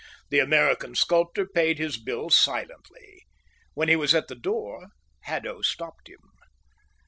The American sculptor paid his bill silently. When he was at the door, Haddo stopped him.